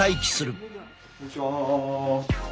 こんにちは。